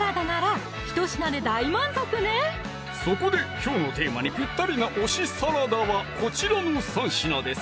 そこできょうのテーマにぴったりな推しサラダはこちらの３品です